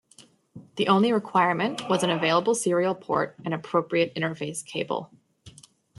The only requirement was an available serial port and appropriate interface cable.